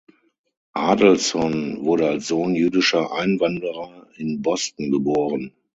Adelson wurde als Sohn jüdischer Einwanderer in Boston geboren.